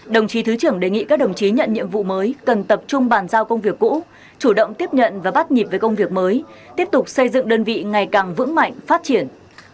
đồng chí thứ trưởng đề nghị các đồng chí nhận nhiệm vụ mới cần tập trung bàn giao công việc cũ chủ động tiếp nhận và bắt nhịp với công việc mới tiếp tục xây dựng đơn vị ngày càng vững mạnh phát triển